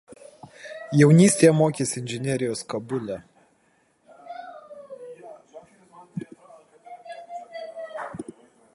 Jaunystėje mokėsi inžinerijos Kabule.